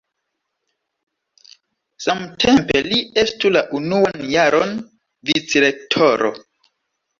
Samtempe li estu la unuan jaron vicrektoro.